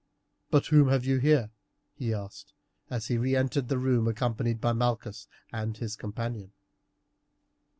But whom have you here?" he asked as he re entered his room accompanied by Malchus and his companion.